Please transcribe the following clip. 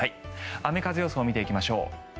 雨風予想を見ていきましょう。